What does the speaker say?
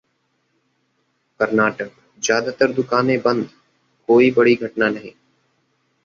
कर्नाटक: ज्यादातर दुकानें बंद, कोई बड़ी घटना नहीं